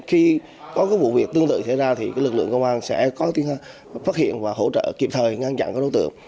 khi có vụ việc tương tự xảy ra thì lực lượng công an sẽ có phát hiện và hỗ trợ kịp thời ngăn chặn các đối tượng